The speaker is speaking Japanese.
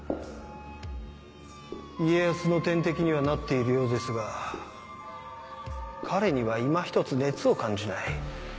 家康の天敵にはなっているようですが彼にはいまひとつ熱を感じない。